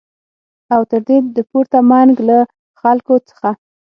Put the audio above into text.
او تر دې د پورته منګ له خلکو څخه